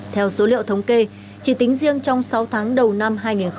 theo số liệu thống kê chỉ tính riêng trong sáu tháng đầu năm hai nghìn hai mươi ba